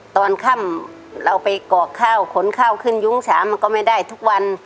ตอนค่ำเราไปกรอกข้าวขนข้าวขึ้นยุ้งฉามันก็ไม่ได้ทุกวัน